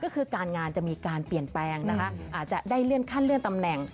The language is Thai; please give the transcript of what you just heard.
ก็คือการงานจะมีการเปลี่ยนแปลงนะคะอาจจะได้เลื่อนขั้นเลื่อนตำแหน่ง